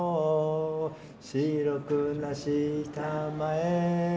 「白くなしたまえ」